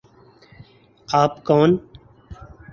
آپ کون